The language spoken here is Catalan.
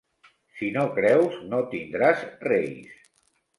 Si no creus, no tindràs reis.